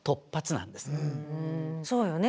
そうよね。